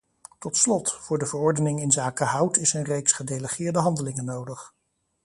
Tot slot, voor de verordening inzake hout is een reeks gedelegeerde handelingen nodig.